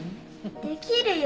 できるよ。